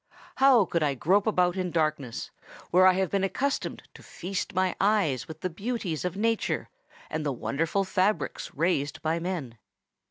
How could I grope about in darkness, where I have been accustomed to feast my eyes with the beauties of nature and the wonderful fabrics raised by men?